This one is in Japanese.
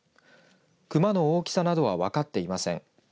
熊の大きさなどは分かっていません。